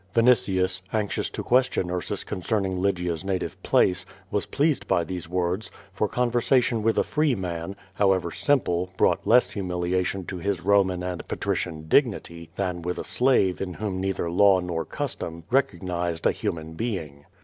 Vinitius, anxious to question Ursus concerning Lygia's native place, was i)lcased by these words, for conversation with a free man, however simple, brought less humiliation to his Koman and patrician dignity than with a slave in whom neither law nor custom recognized a human being.